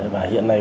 và hiện nay